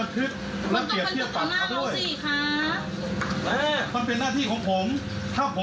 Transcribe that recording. หนูจะชี้ให้เรียนตลอดว่าใครบ้างที่เป็นพยายามตาย